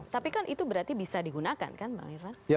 tapi kan itu berarti bisa digunakan kan bang irwan